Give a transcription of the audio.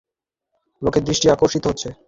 আড়ম্বরেই লোকের দৃষ্টি আকৃষ্ট হয়।